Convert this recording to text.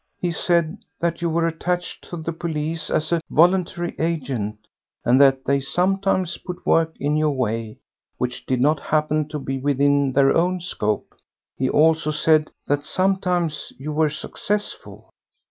He said that you were attached to the police as a voluntary agent, and that they sometimes put work in your way which did not happen to be within their own scope. He also said that sometimes you were successful."